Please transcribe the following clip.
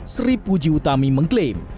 sri puji utami mengklaim